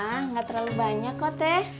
ah nggak terlalu banyak kok teh